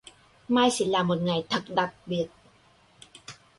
Mai sẽ là một ngày thật đặc biệt